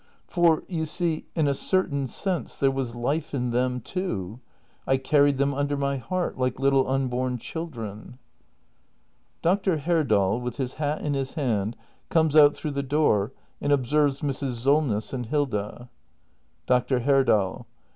For you see, in a certain sense, there was life in them, too. I carried them under my heart — like little unborn children. Dr. Herdal, with his hat in his hand, comes out through tlie door, and observes Mrs. Solness and Hilda. Dr. Herdal.